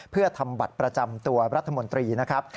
เพื่อทำบัตรประจำตัวรัฐมนตรีนะครับ